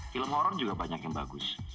film horror juga banyak yang bagus